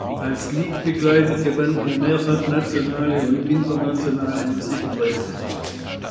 Als Liedbegleiter gewann er mehrfach nationale und internationale Musikpreise.